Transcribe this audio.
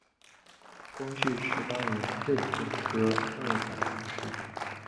光绪十八年壬辰科二甲进士。